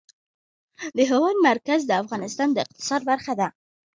د هېواد مرکز د افغانستان د اقتصاد برخه ده.